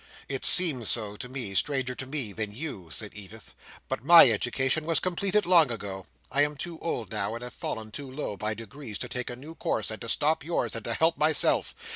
"It seems so to me; stranger to me than you," said Edith. "But my education was completed long ago. I am too old now, and have fallen too low, by degrees, to take a new course, and to stop yours, and to help myself.